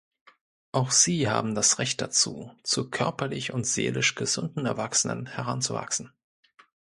Auch sie haben das Recht dazu, zu körperlich und seelisch gesunden Erwachsenen heranzuwachsen.